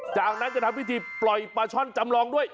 จากนั้นจะทำพิธีปล่อยปลาช่อนจำลองด้วย